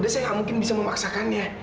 dan saya gak mungkin bisa memaksakannya